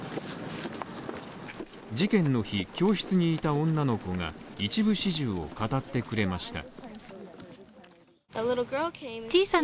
事件の日、教室にいた女の子が一部始終を語ってくれました。